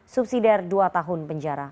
subsidi dari dua tahun penjara